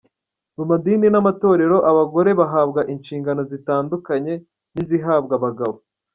Mu madini n’amatorero, abagore bahabwa inshingano zitandukanye n’izihabwa abagabo.